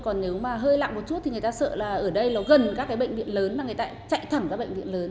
còn nếu mà hơi lặng một chút thì người ta sợ là ở đây nó gần các cái bệnh viện lớn mà người ta chạy thẳng các bệnh viện lớn